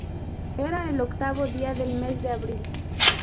Era el octavo día del mes de abril.